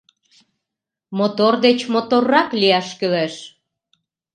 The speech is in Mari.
Мотор деч моторрак лияш кӱлеш.